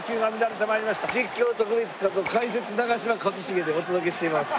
実況徳光和夫解説長嶋一茂でお届けしています。